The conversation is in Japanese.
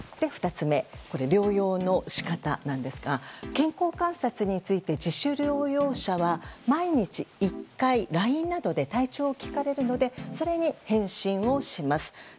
２つ目は療養の仕方ですが健康観察について自主療養者は毎日１回ＬＩＮＥなどで体調を聞かれるのでそれに返信をします。